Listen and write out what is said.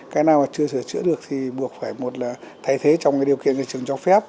cái nào mà chưa sửa chữa được thì buộc phải thay thế trong điều kiện trường cho phép